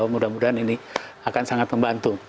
mudah mudahan ini akan sangat membantu